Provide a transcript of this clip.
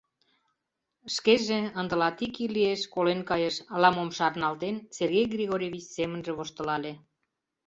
Шкеже, ынде латик ий лиеш, колен кайыш, — ала-мом шарналтен, Сергей Григорьевич семынже воштылале.